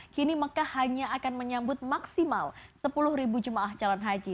kini mekah hanya akan menyambut maksimal sepuluh jemaah calon haji